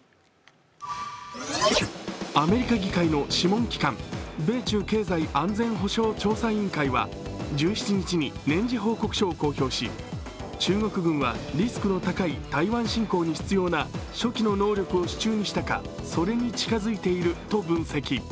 アメリカ議会の諮問機関、米中経済安全保障調査委員会は、１７日に年次報告書を公表し中国軍はリスクの高い台湾侵攻に必要な初期の能力を手中にしたかそれに近づいていると分析。